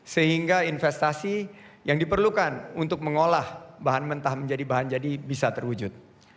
sehingga investasi yang diperlukan untuk mengolah bahan mentah menjadi bahan jadi bisa terwujud